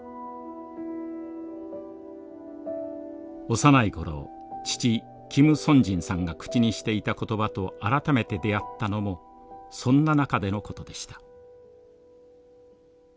幼い頃父・金善辰さんが口にしていた言葉と改めて出会ったのもそんな中でのことでした。